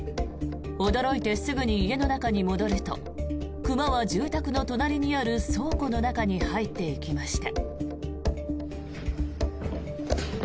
驚いてすぐに家の中に戻ると熊は、住宅の隣にある倉庫の中に入っていきました。